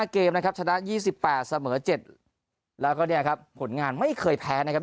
เกมนะครับชนะ๒๘เสมอ๗แล้วก็เนี่ยครับผลงานไม่เคยแพ้นะครับ